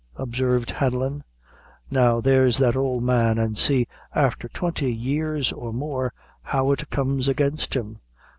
observed Hanlon; "now there's that ould man, an' see, after twenty years or more, how it comes against him.